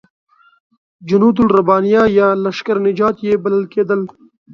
جنودالربانیه یا لشکر نجات یې بلل کېدل.